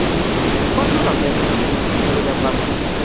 Quant dura el viatge en autobús fins a Bellaguarda?